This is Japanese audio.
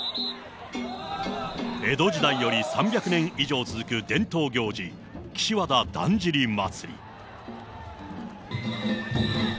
江戸時代より３００年以上続く伝統行事、岸和田だんじり祭。